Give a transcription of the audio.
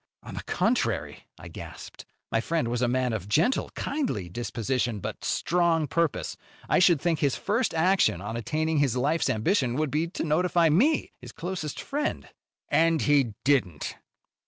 "On the contrary," I gasped, "my friend was a man of gentle, kindly disposition, but strong purpose. I should think his first action on attaining his life's ambition would be to notify me, his closest friend." "And he didn't."